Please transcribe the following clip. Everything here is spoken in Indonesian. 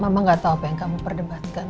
mama gak tahu apa yang kamu perdebatkan